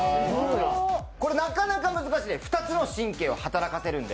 これなかなか難しいです２つの神経を働かせるので。